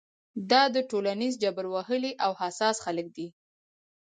دا د ټولنیز جبر وهلي او حساس خلک دي.